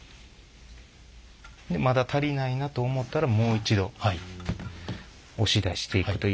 でまだ足りないなと思ったらもう一度押し出していくという。